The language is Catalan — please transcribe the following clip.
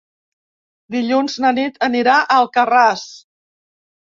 Dilluns na Nit anirà a Alcarràs.